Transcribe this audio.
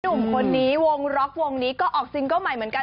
หนุ่มคนนี้วงล็อกวงนี้ก็ออกซิงเกิ้ลใหม่เหมือนกัน